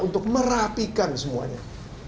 untuk merapikan semuanya